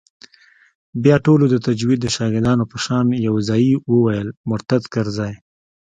بيا ټولو د تجويد د شاگردانو په شان يو ځايي وويل مرتد کرزى.